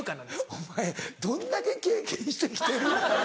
お前どんだけ経験して来てる？